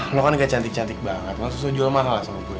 lo kan gak cantik cantik banget langsung jual mahal lah sama gue